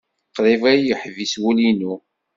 Qrib ay yeḥbis wul-inu.